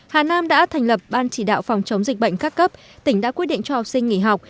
hà nam đã thành lập ban chỉ đạo phòng chống dịch bệnh các cấp tỉnh đã quyết định cho học sinh nghỉ học